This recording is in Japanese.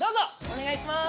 お願いします。